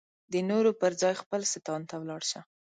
د نورو پر ځای خپل ستان ته ولاړ شي.